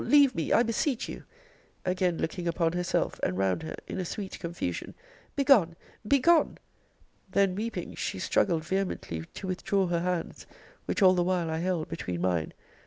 leave me, I beseech you! again looking upon herself, and round her, in a sweet confusion Begone! begone! Then weeping, she struggled vehemently to withdraw her hands, which all the while I held between mine.